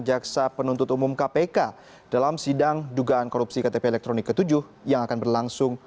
jaksa penuntut umum kpk dalam sidang dugaan korupsi ktp elektronik ke tujuh yang akan berlangsung